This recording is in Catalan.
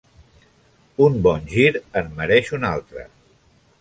Un bon gir en mereix un altre